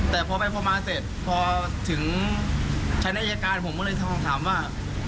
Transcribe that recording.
แต่พอไปพอมาเสร็จพอถึงชั้นอายการผมก็เลยถามว่า